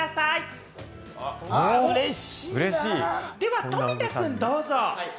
では冨田君、どうぞ。